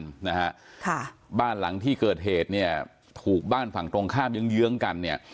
นะฮะค่ะบ้านหลังที่เกิดเหตุเนี่ยถูกบ้านฝั่งตรงข้ามเยื้องเยื้องกันเนี่ย